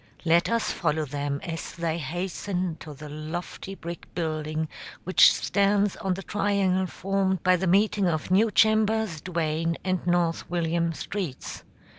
Let us follow them as they hasten to the lofty brick building which stands on the triangle formed by the meeting of New Chambers, Duane, and North William streets.